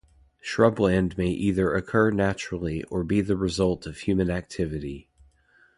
Shrubland may either occur naturally or be the result of human activity.